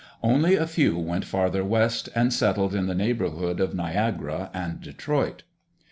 Only a few went farther west and settled in the neighbourhood of Niagara and Detroit.